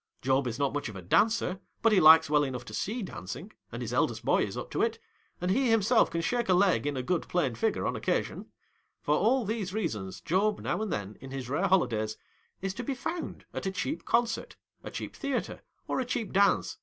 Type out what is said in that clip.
. Job is not much of a dancer, but he likes well enough to see dancing, and his eldest boy is up to it, and he himself can shake a leg in a good plain figure on occasion. For all these rea sons, Job now and then, in his rare holidays, is to be found at a cheap concert, a cheap theatre, or a cheap dance.